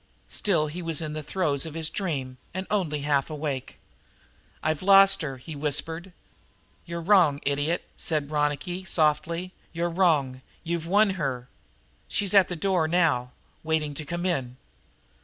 Still he was in the throes of his dream and only half awakened. "I've lost her," he whispered. "You're wrong, idiot," said Ronicky softly, "you're wrong. You've won her. She's at the door now, waiting to come in."